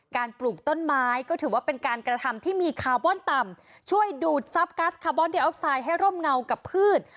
ปลูกต้นไม้ก็ถือว่าเป็นการกระทำที่มีคาร์บอนต่ำช่วยดูดทรัพย์กัสคาร์บอนไอออกไซด์ให้ร่มเงากับพืช